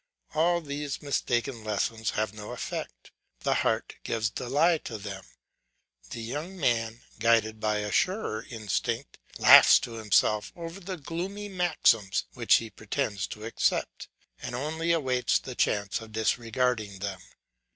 All these mistaken lessons have no effect; the heart gives the lie to them. The young man, guided by a surer instinct, laughs to himself over the gloomy maxims which he pretends to accept, and only awaits the chance of disregarding them.